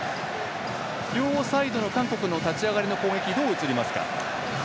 両サイドの韓国の立ち上がりどう映りますか？